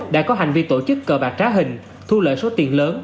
đã có hành vi tổ chức cờ bạc trá hình thu lợi số tiền lớn